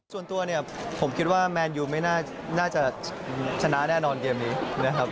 ส่วนตัวเนี่ยผมคิดว่าแมนยูไม่น่าจะชนะแน่นอนเกมนี้นะครับ